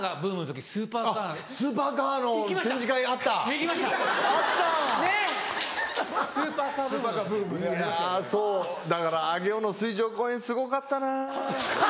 いやそうだから上尾の水上公園すごかったなぁ。